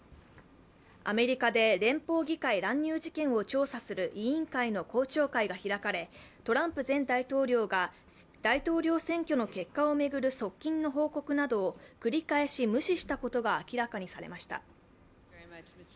アメリカで連邦議会乱入事件を調査する委員会の公聴会が開かれ、トランプ前大統領が大統領選挙の結果を巡る側近の報告などを繰り返し無視したことが明らかにされました。